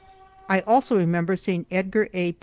I also remember seeing Edgar A.